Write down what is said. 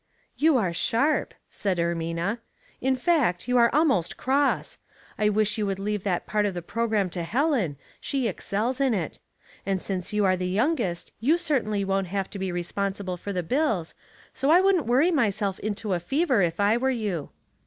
*' You are sharp," said Ermina. *' In fact, you are almost cross. I wish you would leave that part of the programme to Helen, she excels in it; and since you are the youngest you certainly won't have to be responsible for the bills, so 1 wouldn't worry myself into a fever if I were you."